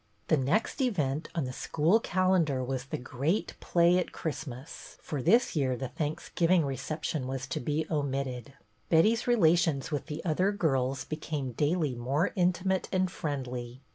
The next event on the school calendar was the great play at Christmas; for this year the Thanksgiving reception was to be omitted. Betty's relations with the other girls be came daily more intimate and friendly.